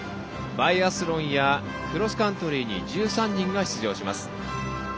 バイアスロンやクロスカントリーに１３人が出場します。